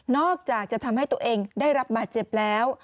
อกจากจะทำให้ตัวเองได้รับบาดเจ็บแล้ว